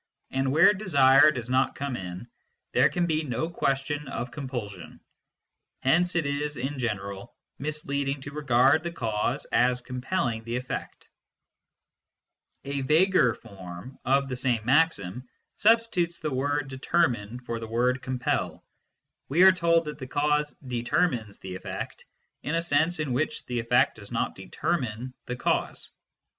And where desire does not come in, there can be no question of compulsion. Hence it is, in general, misleading to regard the cause as com pelling the effect, A vaguer form of the same maxim substitutes the word " determine " for the word " compel "; we are told that the cause determines the effect in a sense in which the effect does not determine the cause.